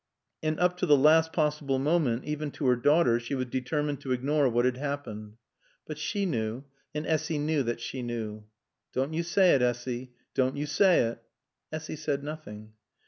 And up to the last possible moment, even to her daughter, she was determined to ignore what had happened. But she knew and Essy knew that she knew. "Doan yo saay it, Assy. Doan yo saay it." Essy said nothing.